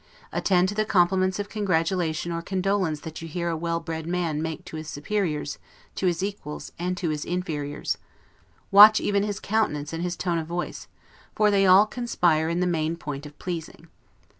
Attend to the compliments of congratulation or condolence that you hear a well bred man make to his superiors, to his equals, and to his inferiors; watch even his countenance and his tone of voice, for they all conspire in the main point of pleasing.